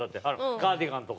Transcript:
カーディガンとか。